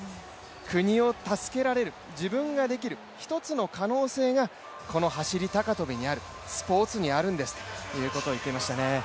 国を助けられる、自分ができる一つの可能性がこの走高跳にある、スポーツにあるんですと言っていましたね。